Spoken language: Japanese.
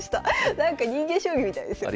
なんか人間将棋みたいですよね。